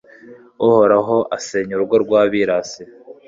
Uhoraho asenya urugo rw’abirasi